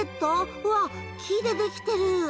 うわ木でできてる。